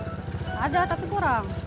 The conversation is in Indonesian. gak ada tapi kurang